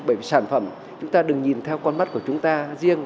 bởi vì sản phẩm chúng ta đừng nhìn theo con mắt của chúng ta riêng